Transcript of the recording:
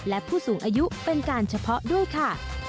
และผู้สูงอายุเป็นการเฉพาะด้วยค่ะ